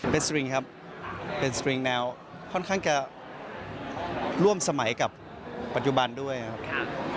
เป็นสตริงครับเป็นสตริงแนวค่อนข้างจะร่วมสมัยกับปัจจุบันด้วยครับ